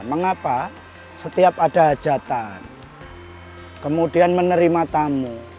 mengapa setiap ada hajatan kemudian menerima tamu